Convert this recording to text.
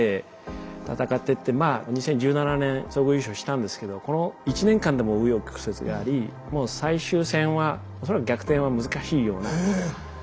まあ２０１７年総合優勝したんですけどこの１年間でも紆余曲折がありもう最終戦は恐らく逆転は難しいようなポイント差があって。